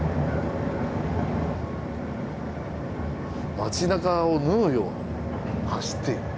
町なかを縫うように走っている。